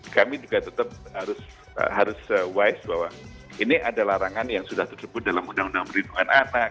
kami juga tetap harus wise bahwa ini ada larangan yang sudah tersebut dalam undang undang perlindungan anak